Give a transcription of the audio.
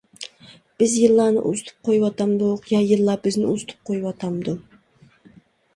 بىز يىللارنى ئۇزىتىپ قويۇۋاتامدۇق يا يىللار بىزنى ئۇزىتىپ قويۇۋاتامدۇ؟ !